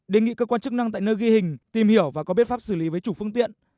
đề nghị cơ quan chức năng tại nơi ghi hình tìm hiểu và có biết pháp xử lý với chủ phương tiện